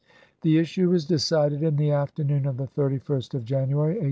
The issue was decided in the afternoon of the 31st of January, 1865.